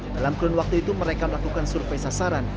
dalam kurun waktu itu mereka melakukan survei sasaran